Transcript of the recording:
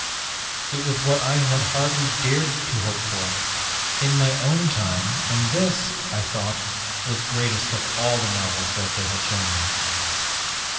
It was what I had hardly dared to hope for, in my own time, and this, I thought, was greatest of all the marvels they had shown me!